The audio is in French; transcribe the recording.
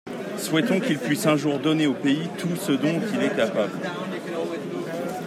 Souhaitons qu’il puisse un jour donner au pays tout ce dont il est capable.